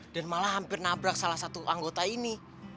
malah hampir nabrak salah satu anggota ini